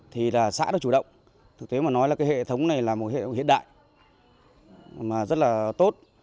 thì là xã đã chủ động thực tế mà nói là cái hệ thống này là một hệ thống hiện đại mà rất là tốt